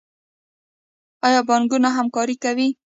آیا بانکونه همکاري کوي؟